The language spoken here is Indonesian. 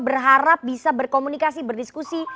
berharap bisa berkomunikasi berdiskusi